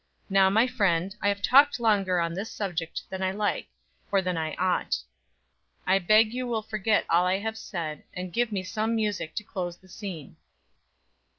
Now my friend, I have talked longer on this subject than I like, or than I ought. I beg you will forget all I have said, and give me some music to close the scene."